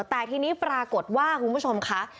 แต่ทีนี้ปรากฏว่าคุณผู้ชมค่ะ